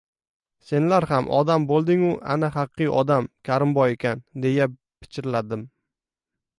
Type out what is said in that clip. — Senlar ham odam bo‘lding-u, ana, haqiqiy odam Karimboy ekan, — deya pichirladim.